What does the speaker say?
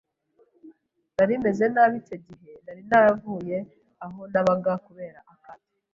nari meze nabi icyo gihe nari naravuye aho nabaga kubera akato